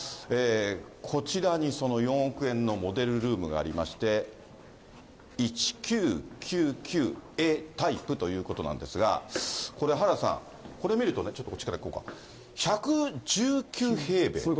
こちらにその４億円のモデルルームがありまして、Ａタイプということなんですが、これ、原田さん、これ見るとね、ちょっとこっちから行こうか、１１９平米。